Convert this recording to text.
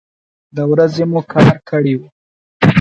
د ورځې مو کار کړی و.